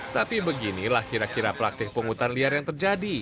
tapi beginilah kira kira praktik pungutan liar yang terjadi